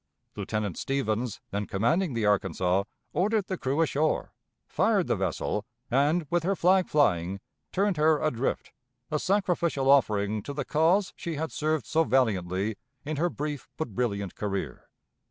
Lieutenant Stevens, then commanding the Arkansas, ordered the crew ashore, fired the vessel, and, with her flag flying, turned her adrift a sacrificial offering to the cause she had served so valiantly in her brief but brilliant career.